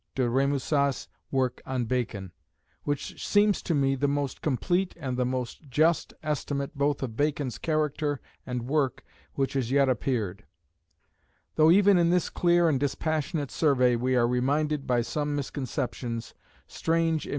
de Rémusat's work on Bacon, which seems to me the most complete and the most just estimate both of Bacon's character and work which has yet appeared; though even in this clear and dispassionate survey we are reminded by some misconceptions, strange in M.